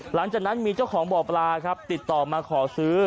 หลังจากนั้นมีเจ้าของบ่อปลาครับติดต่อมาขอซื้อ